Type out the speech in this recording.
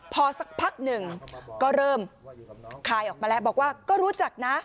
พอสักพักหนึ่งก็เริ่มคลายออกมาแล้วบอกว่าก็รู้จักนะ